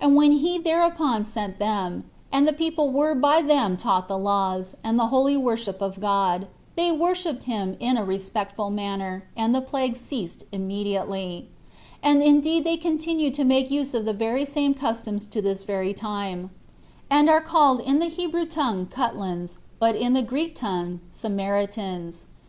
And when he thereupon sent them, and the people were by them taught the laws, and the holy worship of God, they worshipped him in a respectful manner, and the plague ceased immediately; and indeed they continue to make use of the very same customs to this very time, and are called in the Hebrew tongue Cutlans, but in the Greek tongue Samaritans.